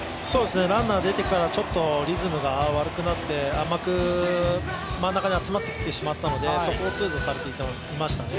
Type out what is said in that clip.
ランナー出てからちょっとリズムが悪くなって甘く真ん中に集まってきてしまったので、そこを痛打されてしまいましたね。